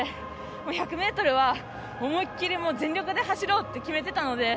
１００ｍは思い切り全力で走ろうって決めていたので。